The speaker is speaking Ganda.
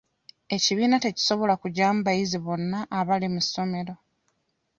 Ekibiina tekisobola kugyamu bayizi bonna abali mu ssomero.